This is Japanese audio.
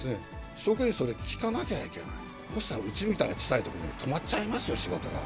職員、それ聞かなきゃいけない、そしたらうちみたいな小さい所は止まっちゃいますよ、仕事が。